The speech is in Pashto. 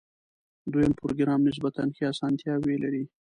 دویم پروګرام نسبتاً ښې آسانتیاوې لري.